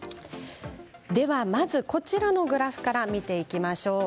では、まずこちらのグラフから見ていきましょう。